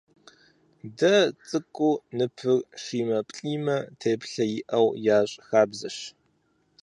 Дэ цӀыкӀу ныпыр щимэ, плӀимэ теплъэ иӏэу ящӀ хабзэщ.